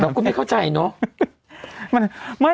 เราก็ไม่เข้าใจเนาะ